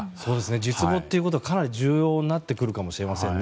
術後というのはかなり重要になってくるかもしれませんね。